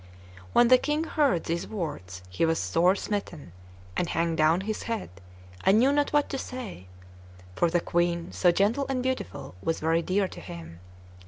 When the King heard these words, he was sore smitten, and hung down his head, and knew not what to say; for the Queen, so gentle and beautiful, was very dear to him.